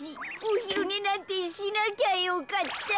おひるねなんてしなきゃよかった。